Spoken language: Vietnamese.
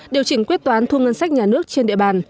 điều chỉnh quyết toán thu ngân sách nhà nước trên địa bàn